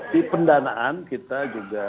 di pendanaan kita juga